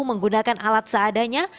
menggunakan alat seadanya